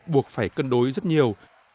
buộc phải cân đối rất nhiều